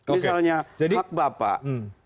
misalnya hak bapak